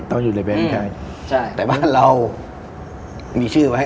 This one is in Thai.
แต่บ้านเรามีชื่อไว้